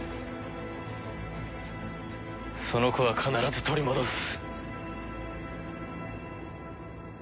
その子は必ず取り戻す！